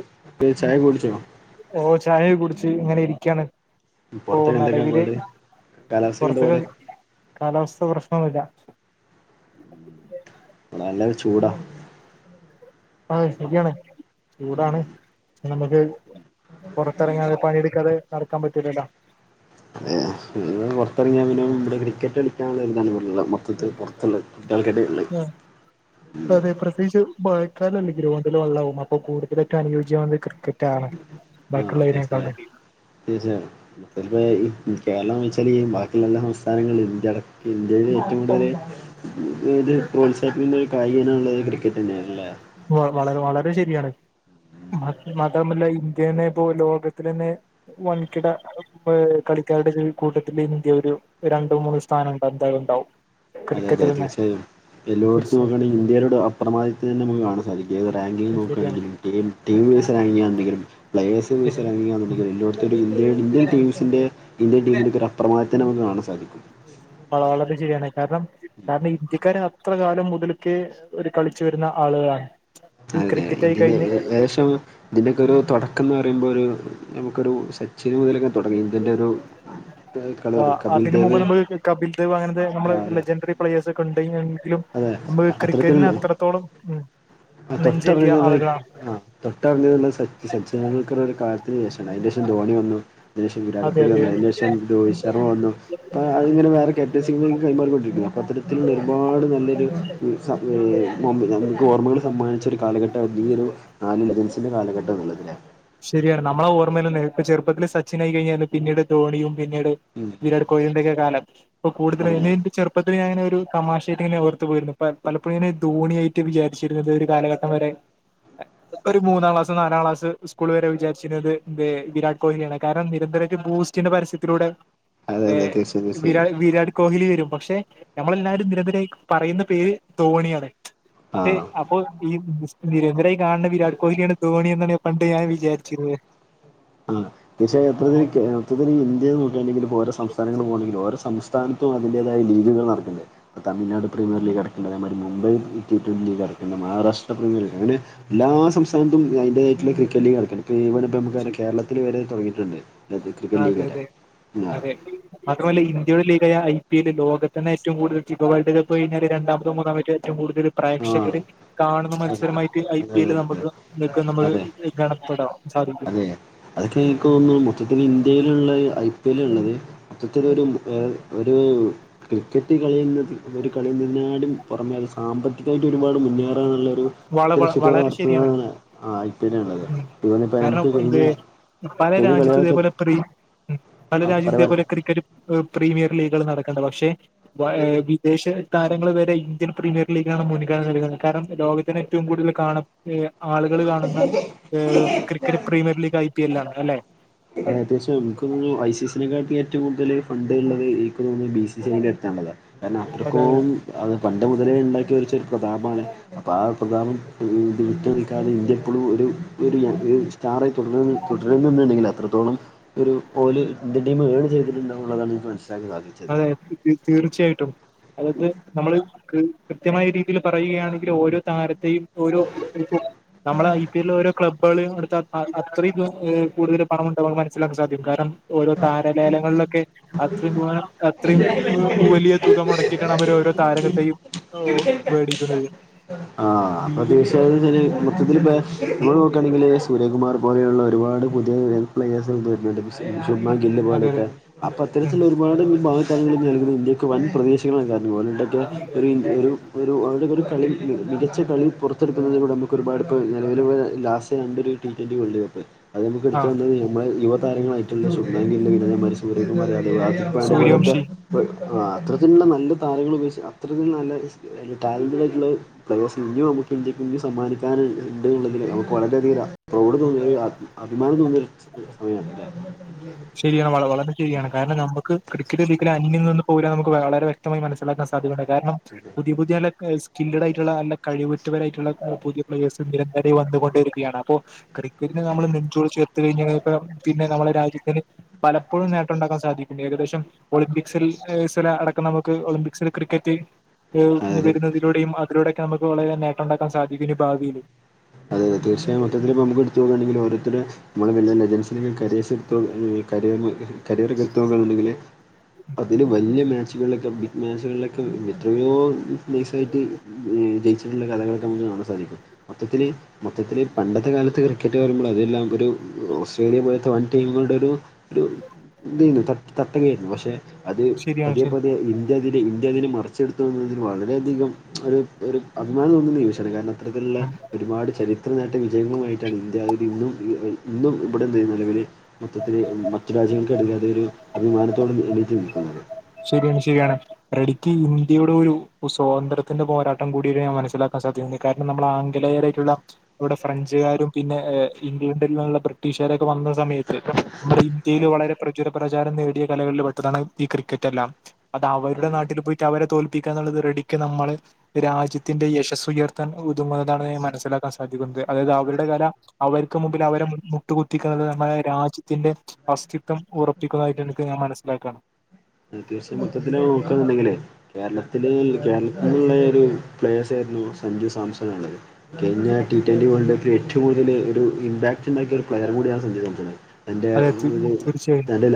എന്തേ ചായൊക്കെ കുടിച്ചോ? ഓഹ് ചായൊക്കെ കുടിച്ച് ഇങ്ങനെ ഇരിക്കയാണ് ഓഹ് പുറത്തേക്ക് എന്തൊക്കെയാ നെലവില് പാട് കാലാവസ്ഥക്ക് എന്താ പൊറത്തൊക്കെ പാട് ഇവിടെ കാലാവസ്ഥ പ്രശ്നൊന്നുല്ല ഇവിടെ നല്ലൊരു ചൂടാ ആഹ് ശരിയാണ് ചൂടാണ് നമുക്ക് പൊറത്തിറങ്ങാതെ പണിയെടുക്കാതെ നടക്കാൻ പറ്റൂലല്ലോ അതേയ് പുറത്തിറങ്ങിയ പിന്നെ ഇവിടെ ക്രിക്കറ്റ് എടുക്കാനുള്ളരു ഇതാണ് മൊത്തത്തിൽ പൊറത്തുള്ളത് [unintelligible] ആ അതെ പ്രത്യേകിച്ച് മയക്കാലല്ല ഗ്രോണ്ടിൽ വള്ളാവും അപ്പൊ കൂടുതലായിട്ടും അനുയോജ്യ ക്രിക്കറ്റ് റ്റാണ് ബാക്കിയുള്ളതിനേക്കാളും [unintelligible] മൊത്തപ്പോ കേരളം എന്ന് വെച്ചാല് ഈ ബാക്കിയുള്ള എല്ലാ സംസ്ഥാനങ്ങളും ഇന്ത്യ അടക്കം ഇന്ത്യയിൽ ഏറ്റവും കൂടുതല് ഇതൊരു പ്രോത്സാഹിപ്പിക്കുന്ന ഒരു കായിക ഇനം ഉള്ളത് ക്രിക്കറ്റ് തന്നെയാണല്ലേ വ വളരെ വളരെ ശരിയാണ് മ മാത്രമല്ല ഇന്ത്യനെ പ്പോ ലോകത്തിലെ തന്നെ വൻകിട കളിക്കാരുടെ കൂട്ടത്തില് ഇന്ത്യ ഒരു രണ്ടു മൂന്നും സ്ഥാനണ്ട് എന്തായാലും ഉണ്ടാവും അതെ അതെ ക്രിക്കറ്റിൽ തന്നെ തീർച്ചായായും എല്ലോട്ത്തും തീർച്ചയായും നോക്കയാണെങ്കിൽ ഇന്ത്യയില് ഡോക്ടർമാരുടെ തന്നെ നമുക്ക് കാണാം [unintelligible] റാങ്കിൽ ശരിയാണ് നോക്കുണെങ്കിലും ടീം വൈസ് ആണെങ്കിലും പ്ലഴേസ് പസ് ശരിയാണ് ഉം [unintelligible] ഇന്ത്യൻ ടീംസിന്റെ ഇന്ത്യൻ ടീമിന്റോക്കെ റഫ പ്രമാദത്തിനു മുന്നെ കാണാൻ സാധിക്കും വളരെ വളരെ ശരിയാണ് കാരണം കാരണം ഇന്ത്യക്കാരെ അത്ര കാലം മൊതൽക്കെ ഒരു കളിച്ചു വരുന്ന ആളുകളാണ് ഈ അതതെ ക്രിക്കറ്റ് ആയി ഇന്ത്യന്റെ കഴിഞ്ഞ് ഏകദേശം ഇതിന്റൊക്കെ ഒരു തൊടക്കം എന്ന് പറയുമ്പോ ഒരു നമുക്കൊരു സച്ചിന് മുതലങ്ങ് തൊടങ്ങ ഇന്ത്യൻന്റെ ഒരു കളി തുടങ്ങി ആഹ് കപിൽ അതിന് മുമ്പ് ദേവ് നമ്മള് കബിൽ ദേവ് അങ്ങനത്തെ നമ്മള് ആ, അതെ ലെജൻട്രി പ്ലഴേഴ്സ് ഒക്കെ ഉണ്ടെയ് എങ്കിലും അതെ നമ്മക്ക് ക്രിക്കറ്റിനെ അത്തരത്തിലുള്ള അത്രത്തോളം ഉം നെഞ്ചേറ്റിയ ആളുകളാണ് തൊട്ടർഞ്ഞു വന്ന സച്ചി സച്ചിൻ ടെൻഡുൽക്കർ ഒരു കാലത്തിന് ശേഷാണ് അയ്ന്റെ ശേഷം ധോണി വന്നു അയ്ന്റെ വിരാട് അതെ കോഹ് ലി അതെ വന്നു അയ്ന് ശേഷം ഡോയിസ് ചെർ വന്നു അപ്പ അങ്ങനെ വന്നു അപ്പത് അത്ങ്ങനെ കൈമാറിക്കൊണ്ടിക്കുന്നു അപ്പോൾ അത്തരത്തിലുള്ളൊരു ഒരുപാട് നല്ലൊരു ഇ -സ-എ നമുക്ക് ഓർമ്മകൾ സമ്മാനിച്ച ഒരു കാലഘട്ട ഈ ഒരു നാല് ലെജൻസിന്റെ കാലഘട്ട ന്ന്ള്ളതില്ലേ ശരിയാണ് നമ്മളെ ഓർമ്മയില ഇപ്പ ചെുപ്പത്തില് സച്ചിനായി കഴിഞ്ഞ പിന്നീട് ധോണിയും പിന്നീട് ഉം വിരാട് കോഹ്ലിന്റെ ഒക്കെ കാലം ഇപ്പൊ അതെ കൂടുതലും ചെറുപ്പം ഇപ്പഴങ്ങനെ ഒരു തമാശയായിട്ട് ഇങ്ങനെ ഓർത്തു പോയിരുന്നു പലപ്പോഴുംങ്ങനെ ധോണിയായിട്ട് വിചാരിരുന്നത് ഒരു കാലഘട്ടം വരെ ഒരു മൂന്നാം ക്ലാസ് നാലാം ക്ലാസ് സ്കുൾ വരെ വിചാച്ചരിക്കുന്നത് വിരാട് കോഹ്ലിയാണ് കാരണം നിരന്തരം ബൂസ്റ്റിന്റെ പരസ്യത്തിലൂടെ അതെ ഏ അതെ തീർച്ചയായും തീർച്ചയായും വിരാട് കോഹ്ലി വരും പക്ഷെ നമ്മളെല്ലരും നിരന്തരമായി പറയുന്ന പേര് ധോണിയാണ് പക്ഷെ ആഹ് അപ്പോ ഈ നിരന്തരമായി കാണുന്ന വിരാട് കോഹ്ലിയാണ് ധോണി എന്നാണ് എന്നാണ് ഞാൻ വിചാരിച്ചത് പഷേ മൊത്തത്തില് ഇന്ത്യ നോക്കിയാണെങ്ക ഇപ്പോ ഓരോ സംസ്ഥാനങ്ങളൾ പോകണെങ്കിലും സംസ്ഥാന ഓരോന്നും അതിന്റതായ ലീഗുകൾ നടക്ക്ണ്ട് അപ്പോ തമിഴ്നാട് പ്രീമിയർലീഗ് കെടക്ക്ണ്ട് അതുപോലെ മുംബൈ പ്രീമിയാർ ലീഗ് അങ്ങനെ മഹാരഷ്ട്ര പ്രീമിയർലീഗ് അങ്ങനെ എല്ലാ സംസ്ഥാനത്തും അതിന്റെതായിട്ടുള്ള ക്രിക്കറ്റ് ലീഗ് നടക്കണ്ട് ഇപ്പ കേരളത്തില് വരെ തുടങ്ങിയിട്ടുണ്ട് ആ ക്രിക്കറ്റ് ലീഗ് അതെ വരെ അതെ അതെ മാത്രമല്ല ഇ ഇന്ത്യുടെ ലീഗായ ഐ പി എൽ ലോകത്ത് തന്നേ ഏവും കൂടുതൽ ഇപ്പ വേൾഡ് കപ്പ് കഴിഞ്ഞാ രണ്ടാമത്തിയോ മൂന്നാമത്തിയോ ഏവും കൂടുതൽ ആഹ് ആഹ് പ്രേക്ഷകര് കാണുന്ന അതെ മത്സരമായിട്ട് ഐ അതെ പി എല് അതെ നമുക്ക് ഇതൊക്കെ നമ്മൾ അതെ ഗണപ്പെടാൻ സാധിക്കും അതെ അതൊക്കെ എനിക്ക് തോന്നുന്നു മൊത്തത്തില്ൽ ഇന്ത്യയിലള്ളത് ഐ പി എല്ല ഉള്ളത് മൊത്തത്തിലൊരു എ ഒരു ക്രിക്കറ്റ് കളിയുന്നത് ഒരു കളിഎന്നതിനേക്കാളും പുറമെ അത് സാമ്പത്തികമായിട്ട് ഒരുപാട് മുന്നേറാനുള്ളൊരു വള ലക്ഷ്യത്തോടെ വളരെ ശരിയാണ് നടത്തുന്നതാണ് ആ ഐ പി ൽ ള്ളത് ഉം അത് ഇപ്പ കാരണം നമുക്ക് എന്ത് കഴിഞ്ഞ പല കഴിഞ്ഞ രാജ്യത്തു കളികളൊക്കെ ഇതേപോലെ പ്രീ പല ആ രാജ്യത്ത് പറയ് പറയ് ഇതേപോലെ ക്രിക്കറ്റ് പ്രീമിയർ ലീഗർകൾ നടക്ക്ണ്ട് പക്ഷേ വഴേ വിദേശ താരങ്ങൾ വരെ ഇന്ത്യൻ പ്രീമിയർ ലീഗാണ് മുൻഗണന നൽകുന്നത് കാരണം ലോക ത്തിൽ ഏറ്റവും കൂടുതൽ കാണ ഏ ആളുകൾ കാണുന്ന ഏഹ് cricket premier league I P L ആണ് അല്ലെ അ അത്യാവശ്യം എമുക്ക് ഐ സിസിനെക്കാട്ടിലും ഏറ്റവും കൂടുതൽ ഫണ്ട് ഉള്ളത് എനക് തോന്നുന്നു ബസിസികാണെന്ന് എടുത്തുള്ളതാണ് കാരണം അതെ അതെ അത്രക്കും അത് പണ്ട് മുതലേ ഉണ്ടാക്കിവെച്ച ഒരു പ്രതാപമാണ് അപ്പൊ ആ പ്രതപോക്കെ വിട്ട് നിക്കാതെ ഇന്ത്യ ഇപ്പോഴും ഒരു [unintelligible] ഒരു സ്റ്റാറായിട്ട് തുടരന്ന തുടരുന്നുണ്ടെങ്കിൽ അത്തോളം ഒരു ഓല് ഇന്ത്യൻ ടീം ഏൺ ചെയ്തിട്ടുണ്ടെന്നാണ് എനിക്ക് മനസ്സിലാക്കി സാധിക്കുന്നത് അതെ തീർച്ചയായിട്ടും അതായത് നമ്മള് കൃ കൃത്യമായ രീതിയിൽ പറയുകയാണെങ്കിൽ ഓരോ താര തെയും ഓരോ [inaudible] നമ്മളെ ഐ പി ൽ ഓരോ ക്ലബ്ബ് ക്ലബ്ബള് എടുത്ത അ അ അത്രം ഏ കൂടുതൽ പണംമുണ്ടന്ന് മനസ്സിലാക്കാൻ സാധിക്കും കാരണം ഓരോ താരലേലകളിലൊക്കെ അത്ര തു അത്രയും ഉം വലിയ തുക മുടക്കിയിട്ടാണ് അവര് ഓരോ താരത്തെയും മേടിക്കുന്നത് ആഹ് അപ്പൊ തീർച്ചയായും മൊത്തത്തിൽ ഇപ്പ നമ്മള് നോക്കയാണെങ്കില് സൂര്യകുമാർ പോലെയുള്ള ഒരുപാട് പുതിയ പ്ലേസ് വരുന്നുണ്ട് ക്ഷ ശുഭമാൻ ഗിൽ അതെ അതെ പോലത്തെ അപ്പൊ ഉം അത്തരത്തിലുള്ള ഒരുപാട് ഭാവി താരങ്ങൾ ഇന്ത്യക്ക് വൻ പ്രതീക്ഷ റ്റങ്ങളാ കാരണംഓല്ണ്ടാകിയാ ഒരു ന്ത്യ ഒരു ഒരു അവന്റെ ഒക്കെ ഒരു കളി മികച്ച കളി പുറത്തെടുക്കുന്നതിലൂടെ നമുക്കൊക്കെ ഒരുപാട് ഇപ്പോ നിലവിൽ ലാസ് ണ്ട ഒരു ടി ട്വന്റി വേൾഡ് കപ്പ് അത് നമുക്ക ആ എടുത്ത് തന്നത് ഇവമാര് യുവതാരങ്ങളായിട്ടുള്ള ശുഭമാൻ ഗിൽ സൂരജ് [inaudible] അതെ പോലത്തെ സൂര്യവംശി പ് ആ അതരത്തിലുള്ള നല്ല താരങ്ങൾ ഉപയോഗിച്ച് അത്ര നല്ല ടാലെന്ഡന്റ് ആയിട്ടുള്ള പ്ലയെസ് ഇനിയും നമുക്ക് ഇന്ത്യക്ക് സമ്മാനിക്കാനൻണ്ട്ന്നുള്ളതിൽ നമുക്ക് വളരെയധികം പ്രൗഡ് തൊയര് അഭിമാനം തോന്നിയൊരു ച് സമയണല്ലേ ശരിയാണ് വ വളരെ ശരിയാണ് കാരണം ന്നമ്മക്ക് ക്രിക്കറ്റ്ലും അന്യം നിന്ന് പോവില്ലന്ന് നമുക്ക് വളരെ വ്യക്ത വ്യക്തമായി മനസ്സിലാക്കാൻ സാധ്യതഉണ്ട് കാരണം അല്ലേ പുതിയ പുതിയ സ് ചില്ല്ട് ആയിട്ടുള്ള നല്ല കഴിവെുത്തവരായിട്ടുള്ള പുതിയ പ്ലേസ് നിരന്തരം വന്നുകൊണ്ടിരിക്കുകയാണ് അപ്പോ ക്രി പിന്നെ നമ്മള് നെഞ്ചോട് ചേർത്ത് കഴിഞ്ഞ [unintelligible] പിന്നെ നമ്മളെ രാജ്യത്തിന് പലപ്പോഴും നേട്ടണ്ടാക്കാൻ സാധിക്കണ്ട് ഏകദേശം ഒളിമ്പിക്സിൽ [unintelligible] അടക്കം നമുക്ക് ഒളിമ്പിക്സിൽ ക്രിക്കറ്റ് [unintelligible] ഇനി അതായത് അതെ വരുന്നതിലൂടെയും അതിലൂടെയക്കെ നമുക്ക് വളരെ നേട്ടോണ്ടാക്കാൻ സാധിക്കും ഇനി ഭാവിയില് അതേ തീർച്ചയായും മൊത്തത്തിൽഇപ്പൊ നമുക്ക് എടുത്ത്പോകയാണെങ്കിൽ ഓരോരുത്തരു നമ്മളെ [unintelligible] കാരെസ [unintelligible] കരിയർ കരിയർ [unintelligible] അതില് വലിയ മാച്ചുകളിലൊക്കെ ബിഗ് മാച്ചുകളിലൊക്കെ എത്രയോ നൈസായിട്ട് ജയിച്ചിട്ടുള്ള കഥകളൊക്കെ നമുക്ക് കാണാൻ സാധിക്കും മൊത്തത്തിൽ മൊത്തത്തിൽ പണ്ടത്തെ കാലത്ത് ക്രിക്കറ്റ് പറയുമ്പോൾ അതെല്ലാം ഒരു ഓസ്ട്രേലിയ പോലെത്തെ വൻ ടീമുകളുടെ ഒരു ഒരു ഇതേനു തട്ട് തട്ടകയായിരുന്നു പക്ഷെ അത് ശരിയാണ് പതിയെ ശരി പതിയ ല്ല് [unintelligible] ഇന്ത്യഅതി ല്ല് മറിച്ചെടുത്തതോട്കൂടി വളരെയധികം ഒരു ഒരു അഭിമാനം തോന്നുന്ന നിമിഷമാണ് കാരണം അത്തരത്തില്ള്ള ഉം. ഒരുപാട് ചരിത്ര നേട്ട വിജയങ്ങളുമായിട്ടാണ് ഇന്ത്യ ഇന്നും ഇന്നും ഇവിടെ [unintelligible] നിലവിൽ മൊത്തത്തിൽ മറ്റു രാജ്യങ്ങൾക്കിടൽ അതൊരു അഭിമാനത്തോട് എണിറ്റ് നിൽക്കുന്നത് ശെരിയാണ് ശെരിയാണ് റെഡിക്ക് ഇന്ത്യയുടെ ഒരു സ്വാതന്ത്രത്തിന്റെ പോരാട്ടം കൂടിയാണ് ഞാൻ മനസ്സിലാക്കാൻ സാധിക്കുന്നത് കാരണം നമ്മളെ ആംഗലയറായിട്ടുള്ള ഇവിടെ ഫ്രഞ്ചുകാരും പിന്നെ ഇംഗ്ലണ്ടിൽന്നുള്ള ബ്രിട്ടീഷുകാരൊക്കെ വ ന്ന സമയത്ത് നമ്മുടെ ഇന്ത്യയില് അതെ വളരെ പ്രചുര പ്രചാരം നേടിയ കലകളിൽ പെട്ടതാണ് ഈ ക്രിക്കറ്റ് തെല്ലാം അത് അവരുടെ അതെ നാട്ടിൽ പോയിട്ട് അവരെ തോൽപ്പിക്കാന്നുള്ളത് റെഡിക്ക് നമ്മള് രാജ്യത്തിന്റെ യശസ്സുയർത്താൻ ഒ ങ്ങുന്നതാണ് ഞാൻ മനസ്സിലാക്കാൻ സാധിക്കുന്നുണ്ട് അതായത് അവരുടെ കല അവർക്ക് മുകിൽ അവരെ മുട്ടുകുത്തിക്കുന്നത് നമ്മടെ രാജ്യത്തിന്റെ അസ്തിത്ത്വം ഉറപ്പിക്കുന്നതായിട്ട് എനിക്ക് ഞാൻ മനസ്സിലാക്കാണ് അത്യാവ്യം മൊത്തത്തില് നോക്കന്നുണ്ടെങ്കിലേ കേരളത്തില് കേരളത്തിലുള്ള ഒരു പ്ലേയേഴ്സ് ആയിരുന്നു സഞ്ജു സാംസൺ ഉള്ളത് കഴിഞ്ഞ ടി അതെ ട്വന്റി വേൾഡ് കപ്പിൽ ഏറ്റവും കൂതല് ഒരു ഇമ്പാക്ട് ഉണ്ടാക്കിയ ഒരു പ്ലെയർ കൂടിയാണ് സഞജു സംസാൺ. തൻ്റെ അതെ [unintelligible] തീർച്ചയായും തൻ്റെ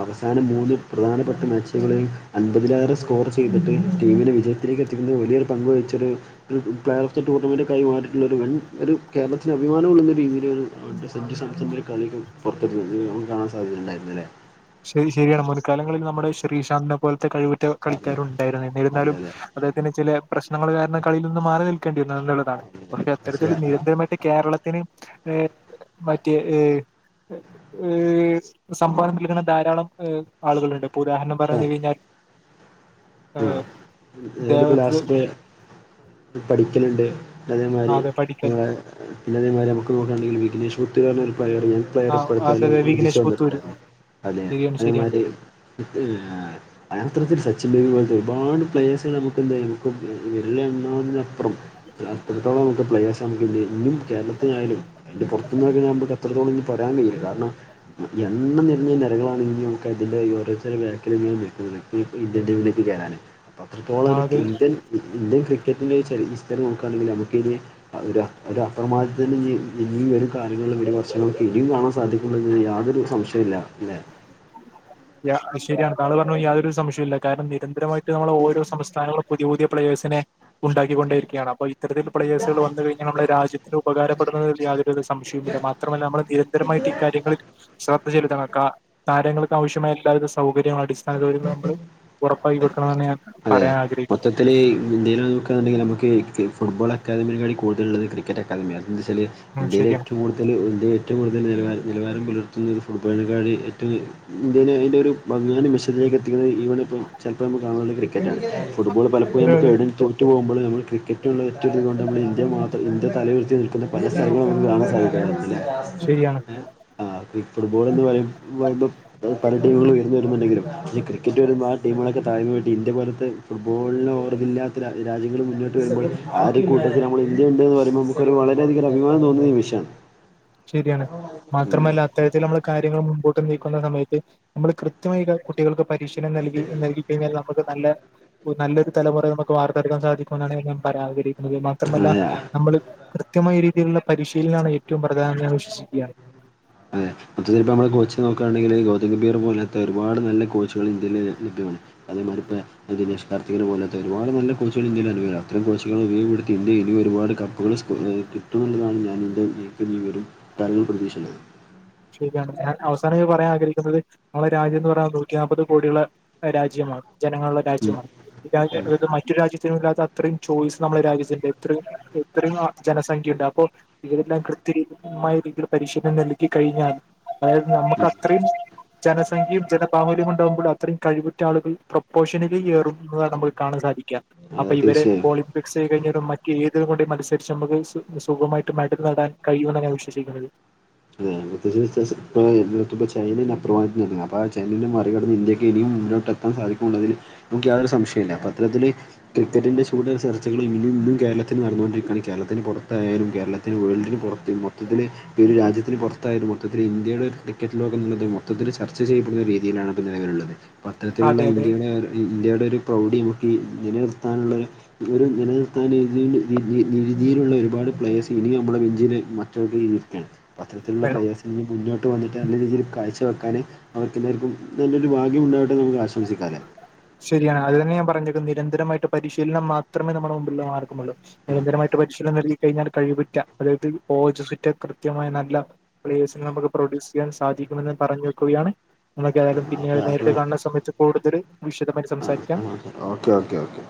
അവസാനം മൂന്ന് പ്രധാനപ്പെട്ട മാച്ചുനുളളിൽ അൻപതിലേറെ സ്കോർ ചെയ്തിട്ട് ടീമിനെ വിജയത്തിലേക്ക് എത്തിക്കുന്ന വലിയൊരു പങ്ക് വഹിച്ചൊരു ഒരു പ്ലർഓഫ് ദ ടൂർണമെന്റ് [unintelligible] മാറിയിട്ടുള്ള ഒരു വൻ ഒരു കേരളത്തിന് അഭിമാനമു ള്ളുന്ന ടീമിലോരു [unintelligible] സഞജു സാംസൺ ഒരു കളി [unintelligible] കാണാൻ സാധ്യതയ ഉണ്ടായിരുന്നല്ലേ ശെരി ശരിയാണ് മോനെ കാലങ്ങളിൽ നമ്മുടെ ശ്രീശാന്തിനെ പോലത്തെ കഴിവുറ്റ അതെ കളിക്കാരും ഉണ്ടായിരുന്നു അതെ എന്നിരുന്നാലും അതെ അദ്ദേഹത്തിനിന്റെ ചില പ്രശ്നങ്ങൾ കാരണം കളിയിൽ നിന്ന് മാറി നിൽക്കേണ്ടി വന്നു എന്നുള്ളതാണ് പക്ഷെ അത്തരത്തിൽ ആ ആ നിരന്തരമായി കേരളത്തിന് ഏ മറ്റേ ഏ ഏ സമ്പനത്തിൽങ്ങനെ ധാരാളംഏഹ ആളുകളുണ്ട് ഇപ്പൊ ഉദാഹരണം പറഞ്ഞു കഴിഞ്ഞാൽ ഏഹ് ആ [unintelligible] ദേവത്ത് ലാസ്റ്റ് ഡേയാ പഠിക്കലുണ്ട് അതേമാരി അതെ പഠിക്കൽ നമ്മളെ അന്നേരം വ നമുക്ക്നോക്കമെങ്കിൽ [unintelligible] [unintelligible] ആ വേർപ്പെടുത്തല്ലും അതെ [unintelligible] വിഘ്നേഷ് പുത്തൂര് വന്നിട്ടുണ്ടായിരുന്നു അതെ ശരിയാണ് ശരിയാണ് അതേമാതി [unintelligible] ഒരുപാട് പ്ലെയേഴ്സ് നമുക്ക എന്തേലും വിരലിൽ എണ്ണആവുന്നതിലപ്പറം അത്രത്തോള നമുക്ക് പ്ലേയാഴ്സ് ആണെങ്കിലും കേരളത്തിനായാലും അതിന്റെ പുറത്തുന്നൊരു നമ്മടെ ഇത്രത്തോളം ഇനി പറയാൻ ഇല്ല കാരണം എണ്ണ നിറഞ്ഞ നിരകളാണെങ്കിൽ നമുക്ക് അതിന്റെ ഓരോർത്തരുടെ ബേക്കിൽഇങ്ങനെ നിക്കുല [unintelligible] റാണ് അപ്പ അത്രത്തോളം ആ ഒരു അത് കിന്റൽ ഇന്ത്യൻ ക്രിക്കറ്റിൻ്റെ ച ഹിസ്റ്ററി നോക്കുകയാണെങ്കിൽ നമുക്കിനി അതൊരു അ ഒരു അപ്രമാദത്തിന് ഇനിയൊരു കാര്ങ്ങളിൽ വിട പർച്ചങ്ങളക്ക് ഇനിയും കാണ സാധിക്കുന്നുണ്ടെന്ന് യാതൊരു സംശയമല്ല ലേ ഇല്ല അത് ശരിയാണ് താങ്ങൾ പറഞ്ഞ യാതൊരു സംശയവുമില്ല കാരണം നിരന്തരമായി നമ്മൾ ഓരോ സംസ്ഥാനങ്ങളും പുതിയ പുതിയ പ്ലയേഴ്സിനെ ഉണ്ടാക്കിക്കൊണ്ടേരിക്കാണ് അപ്പോ ഇത്തരത്തിൽ പ്ലേസുകൾ വന്നു കഴിഞ്ഞൽ നമ്മളെ രാജ്യത്തിന് ഉപകാരപ്പെടുന്ന സംശയില്ല മാത്രമല്ല നമൾ നിരന്തരമായിട്ട് കാര്യങ്ങളിൽ ശ്രദ്ധചെലുത്തണം. ക്കാ താരങ്ങൾക്ക് ആവശ്യമായ എല്ലാവിധ സൗകര്യങ്ങള അടിസ്ഥ താൻ കാര്യങ്ങൾ നമ്മൾ ഉറപ്പായി കൊടുക്കണെന്ന് ഞാൻ പറയാൻ ആഗ്രഹിക്കുന്നു. ഇതല് ഇന്ത്യെൽ നോക്കാന്നിണ്ടെങ്കിൽ നമുക്ക് ഫുട്ബോൾ അക്കാദമി കൂടുതലള്ളത് ക്രിക്കറ്റ് അക്കാദമ്യാ കാരണെന്തച്ചാൽ. ഉം ഇന്ത്യേൽ ശരിയാണ്. ഏറ്റും കൂട്തൽ. ഏറ്റും കൂടുതൽ നിലവാര നിലവാരം പുലർത്തുന്നത് ഫുട്ബോള്ക്കാര് ഏറ്റും ഇന്ത്യൽ അതിന്റെ ഒരുപതി. ച്ചിലേക്ക് എത്തിക്കുന്നത് ഈവണിപ്പോ ചെലപ്പോ നമള് കാണുന്നത് ക്രിക്കറ്റാണ് ഫുട്ബോൾ പലപ്പോഴും അതെ, അതെ, നമുക്കെവിടെ തോൽ റ്റ് പോവുമ്പള് നമ്മ ക്രിക്കറ്റുള്ള ഒറ്റിരിതോണ്ട് നമ്മള് ഇന്ത്യ മാത്ര ഇന്ത്യ തലയിരുത്തി നിൽക്കുന്ന പലസ്ഥലങ്ങളും നമുകാണാസാധിക്കും. ശരിയാണ്. ലേ. ആ ഈ ഫുട്ബോൾ എന്ന് പറ പറയ്പ പല ടീമുകളും ഉയർന്ന് വരുന്നുണ്ടെങ്കിലും. പക്ഷെ ക്രിക്കറ്റ് വരുമ്പൾ ആ ടീമെളൊക്കെ താഴ്ന്ന് പോയിട്ട് ഇന്ത്യ പോലത്തെ ഫുട്ബോളിനെ ഓവറില്ലാത്ത രാജ്യങ്ങള് മുന്നോട്ട് വരുമ്പോൾ. ആ ഒരു കൂട്ടത്തിൽനമ്മള്ന്ത്യുണ്ടെന്ന് പറയുമ്പോ നമക്കൊരു വളരെയദികം അഭിമാനതോന്നുന്ന നിമിഷാ. ശെരിയാണ് മാത്രമല്ല അത്തരത്തിൽ നമ്മള് കാര്യങ്ങൾ മുമ്പോട്ട് നീക്കുന്ന സമയത്ത്. നമ്മൾ കൃത്യമായി കുട്ടികൾക്ക് പരിശീലനം നൽകി കഴി കഴിഞ്ഞാൽ നമുക്ക്. നല്ല നല്ലൊരു തലമുറ നമുക്ക് വാർത്തെടുക്കാൻ സാധിക്കും എന്നണെങ്കിൽ പറയാൻ ആ എന്നത് മാത്രമല്ല അതെയാ നമ്മള് കൃത്യമായി രീതിയിലുള്ള പരിശീലനാണ് ഏറ്റും പ്രധാനം ഞാൻ വിശ്വസിക്കാണ്. അതെ. അത്ചെലപ്പം കോച്ച് നോക്കുകയാണെങ്കിൽ ഗൗതംഗബീർ പോലത്തെ ഒരുപാട് നല്ല കോച്ചുകൾ ഇന്ത്യയി ലഭ്യമാണ്. അതേമാതിരിപ്പ. ദിന് കാർത്തികന് പോലത്തെ ഒരുപാട് നല്ല കോച്ചുകള് ഇന്ത്യൽ അനുകൂല അത്തരം കോച്ചുകള് ഉപയോഗപ്പെടുത്തി ഇന്ത്യ ഇനി ഒരുപാട് കപ്പുകൾ. കിട്ടുമെന്നതാണ് ഞാൻ എൻ്റെവല്യോരു തല പ്രതീക്ഷ. ശരിയാണ് ഞാൻ അവസാനം പറയാൻ ആഗ്രഹിക്കുന്നത് നമ്മുടെ രാജ്യം എന്ന് പറയാ നൂറ്റിനാപ്പത് കോടിയുള്ള.. രാജ്യമാണ് ജനങ്ങളുള രാജ്യമാണ്. രാ അത് മറ്റു രാജ്യത്തിനും ഇല്ലാത്ത അത്രയും ചോയ്സ് നമ്മള രാജ്യത്തിന്റെത്രേം. ഇത്രയും ജനസംഖ്യണ്ട് അപ്പോ ഇതെല്ലാം കൃത്യമായ രീതിയിൽ പരിശീലനം നൽകി. കയിഞ്ഞാൽ അതായത് നമ്മുക്ക് അത്രേം. ജനസംഖ്യയും ജനബാഹുല്യം ഉണ്ടാകുമ്പോൾ അത്രയും കഴിവുറ്റ ആളുകൾ പ്രൊപ്പോഷനലി കേറും എന്നതാണ് നമ്മള്. കാണാൻ സാധിക്ക അപ്പൊ അതെ ഇവര് തീർച്ചയായും പോളി. ഫിക്സെയ്ത് കയിഞ്ഞാലും മറ്റ ഏതൊര് മനുസരിച്ച് നമുക്ക് സുഖമായിട്ട് മെടല് നേടാൻ കഴിയുമെന്നാണ്ഞാൻ വിശ്വസിക്കുന്നത്. അതെത്യ അപ്പ [unintelligible] ചൈനെനെ മറികടന്ന് ഇന്ത്യക്ക് ഇനിയും മുന്നോട്ട്. പാൻ സാധിക്കുളുന്നതില് ഇനിക്ക് യാതൊരു സംശയൂല്ല അപ്പൊ അത്തരത്തില് ക്രിക്കറ്റിന്റെ ചൂട്. ഇന്നും ഇന്നും കേരളത്തില് നടന്നോണ്ടിരിക്കാണ്. കേരളത്തിന് പൊറത്തായാലും കേരളത്തിന് വേൾഡിന് പൊറത്ത് മൊത്തത്തിൽ ഈ ഒരു രാജ്യ. ത്തിന് പൊറത്തായാലും മൊത്തത്തിൽ ഇന്ത്യയുടെ ക്രിക്കറ്റ് ലോകന്നുള്ളത് മൊത്തത്തിൽ ചർച്ച ചെയ്യപ്പെടുന്ന രീതിയിലാണ് നിലവിലുള്ളത്. പത്തരത്തിലുള്ള അതെ അതെ ഇന്ത്യയുടെ ഇന്ത്യയുടെ ഒരു പ്രൗഡി നമുക്ക് ഈ നിലനിർത്താനുള്ളൊരു. ഒരു നിലനിർത്താന രീതി രീതിയിലുള്ള ഒരുപാട് പ്ലെയേഴസ് ഇനി നമ്മുടെ വെഞ്ചിന്. രിക്കാണ് അപ്പൊ അത്തരത്തിൽള. വേണം. ഇനി മുന്നോട്ട് വന്നിട്ട് നല്ല രീതിയിൽ കാഴ്ചവെക്കൻ നമക്കെലാവർക്കും നല്ലൊരു ഭാഗ്യ ഉണ്ടവട്ടെന്ന് നമുക്ക് ആശം. [unintelligible] ശരിയാണ് അത് തന്നെ ഞാൻ പറഞ്ഞേ നിരന്തരമായിട്ട് പരിശീലനം മാത്രമേ നമ്മുടെ മുമ്പുള്ള മാർഗമുള്ളൂ. നിരന്തരമായിട്ട് പരിശീലനം നൽകികഴിഞ്ഞാൽ കഴിവറ്റ അതായത് പോജസിറ്റ കൃത്യമായ നല്ല. പ്ലേഴ്സിന് നമുക്ക് പ്രൊഡ്യൂസ് ചെയ്യാൻ സാധിക്കുമെന്ന് പറഞ്ഞു വെക്കുകയാണ്. ഇങ്ങനൊക്കെ അയാലും പിന്നീട് അപ്പോൾ അപ്പോൾ നേരിട്ട് കാണുന്ന സമയത്ത് കൂടുതൽ വിശദമായിട്ട് ആ സംസാരിക്കാം. Okay okay okay.